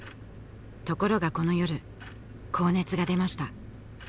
ところがこの夜高熱が出ました